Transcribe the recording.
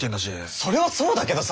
それはそうだけどさ。